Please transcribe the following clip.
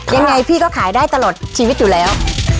ยังไงพี่ก็ขายได้ตลอดชีวิตอยู่แล้ว